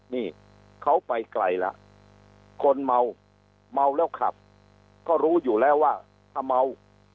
นี่เขาไปไกลแล้วคนเมาเมาแล้วขับก็รู้อยู่แล้วว่าถ้าเมา